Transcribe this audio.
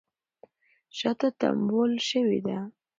شاته تمبول شوې وه